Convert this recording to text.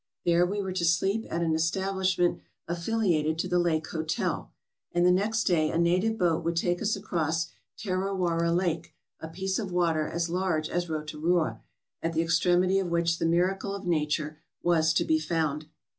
There we were to sleep at an estab lishment affiliated to the Lake Hotel, and the next day a native boat would take us across Tarawara Lake, a piece of water as large as Rotorua, at the extremity of which the miracle of nature was to be found.